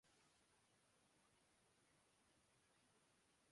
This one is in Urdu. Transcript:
اس کی وجہ وہی ادھورا مطالعہ اور فکری تعصبات ہیں۔